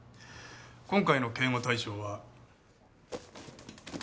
今回の警護対象は。